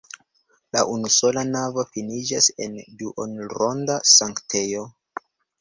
La unusola navo finiĝas en duonronda sanktejo.